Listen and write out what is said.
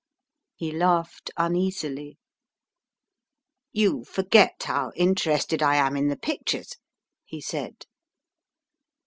He laughed uneasily. "You forget how interested I am in the pictures," he said.